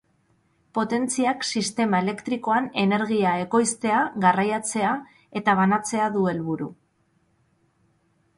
Potentziak sistema elektrikoan energia ekoiztea, garraiatzea eta banatzea du helburu.